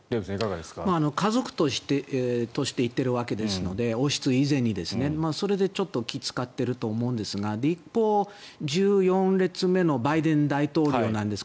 家族として行っているわけなので王室以前にそれで気を使っていると思うんですが一方、１４列目のバイデン大統領なんです。